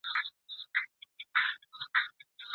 د زده کړي لپاره هره ورځ نوی فرصت دی.